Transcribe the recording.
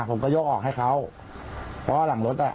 ผมก็ยกออกให้เขาเพราะว่าหลังรถอ่ะ